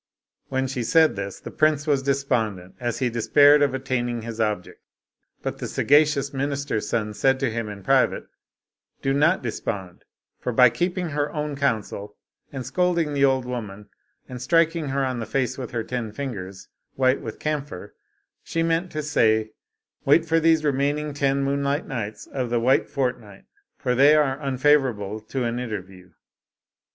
When she said this, the prince was despondent, as he despaired of attaining his object, but the sagacious minis ter's son said to him in private, " Do not despond, for by keeping her own counsel and scolding the old woman, and striking her on the face with her ten fingers white with camphor, she meant to say, * Wait for these remaining ten moonlight nights of the white fortnight, for they are un favorable to an interview.'"